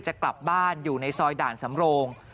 จะกลับบ้านอยู่ในซอยด่านสำโรง